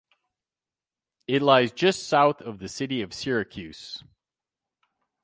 It lies just south of the city of Syracuse.